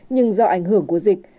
nhưng do ảnh hưởng của dịch